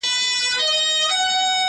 • دا هم ستا له ترجمان نظره غواړم,